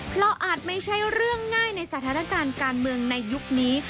เพราะอาจไม่ใช่เรื่องง่ายในสถานการณ์การเมืองในยุคนี้